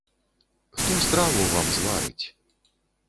Хто страву вам зварыць?